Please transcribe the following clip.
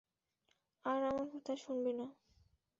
আর আমার কথা শুনবে না।